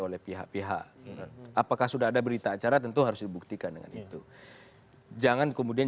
oleh pihak pihak apakah sudah ada berita acara tentu harus dibuktikan dengan itu jangan kemudian